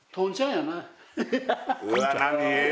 うわ何？